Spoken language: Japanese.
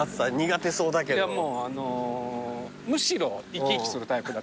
もうあのむしろ生き生きするタイプだから。